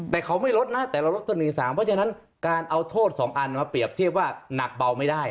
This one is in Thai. แต่เขาไม่ลดนะแต่เราลดต้น๑๓เพราะฉะนั้นการเอาโทษ๒อันมาเปรียบเทียบว่าหนักเบาไม่ได้